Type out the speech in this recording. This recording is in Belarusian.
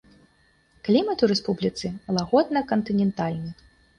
Клімат у рэспубліцы лагодна кантынентальны.